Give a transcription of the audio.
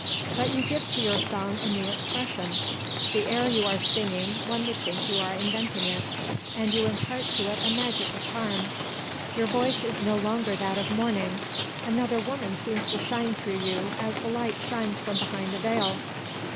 But you give to your song a new expression; the air you are singing, one would think you are inventing it, and you impart to it a magical charm. Your voice is no longer that of mourning; another woman seems to shine through you as the light shines from behind a veil.